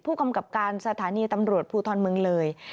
ผู้กำกับการสถานีตำรวจภูทรเมืองเลย